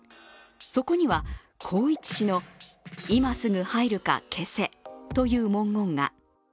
そこには宏一氏の「今すぐ入るか、消せ」という文言が。